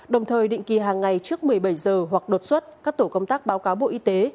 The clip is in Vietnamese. đồng thời định kỳ hàng ngày trước một mươi bảy giờ hoặc đột xuất các tổ công tác báo cáo bộ y tế